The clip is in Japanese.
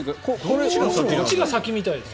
こっちが先みたいです。